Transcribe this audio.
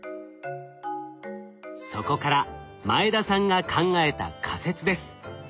そこから前田さんが考えた仮説です。